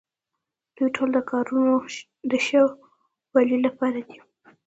دوی ټول د کارونو د ښه والي لپاره دي.